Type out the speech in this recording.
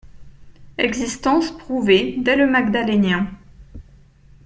Existence prouvée dès le Magdalénien.